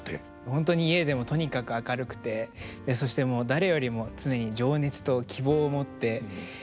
本当に家でもとにかく明るくてそして誰よりも常に情熱と希望を持ってもうやっぱり元気な人で。